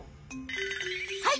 はい！